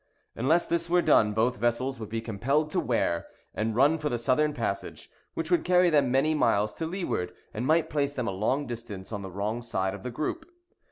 Unless this were done, both vessels would be compelled to wear, and run for the southern passage, which would carry them many miles to leeward, and might place them a long distance on the wrong side of the group.